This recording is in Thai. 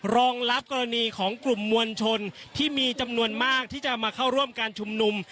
รองรับกรณีของกลุ่มมวลชนที่มีจำนวนมากที่จะมาเข้าร่วมการชุมนุม